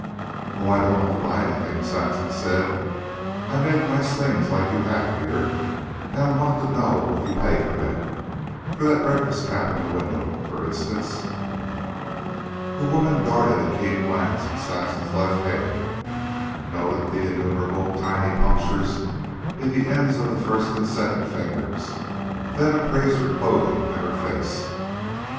"Oh, I don't want to buy anything," Saxon said. "I make nice things like you have here, and I wanted to know what you pay for them for that breakfast cap in the window, for instance." The woman darted a keen glance to Saxon's left hand, noted the innumerable tiny punctures in the ends of the first and second fingers, then appraised her clothing and her face.